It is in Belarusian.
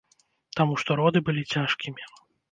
Таму што роды былі цяжкімі.